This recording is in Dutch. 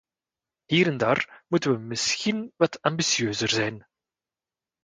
Hier en daar moeten we misschien wat ambitieuzer zijn.